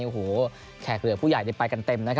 แหม่งเลือกผู้ใหญ่ได้ไปกันเต็มนี่